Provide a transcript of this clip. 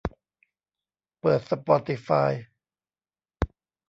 เปิดสปอติฟาย